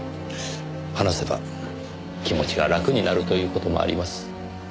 話せば気持ちが楽になるという事もあります。